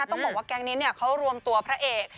ต้องบอกว่าแก๊งนี้เขารวมตัวพระเอก